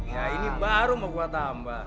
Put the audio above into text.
ya ini baru mau gue tambah